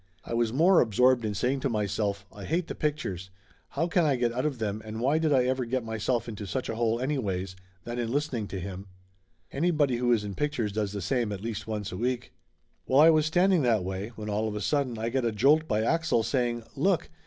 I was more absorbed in saying to myself "I hate the pic tures. How can I get out of them and why did I ever get myself into such a hole, anyways?" than in listen ing to him. Anybody who is in pictures does the same at least once a week. Well, I was standing that way, when all of a sudden Laughter Limited 141 I got a jolt by Axel saying "Look!